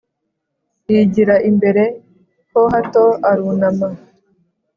Yigira imbere ho hato arunama